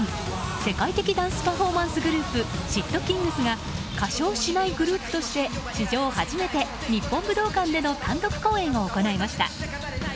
世界的ダンスパフォーマンスグループｓ＊＊ｔｋｉｎｇｚが歌唱しないグループとして史上初めて日本武道館での単独公演を行いました。